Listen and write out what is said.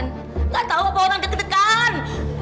nggak tahu apa orang ketekan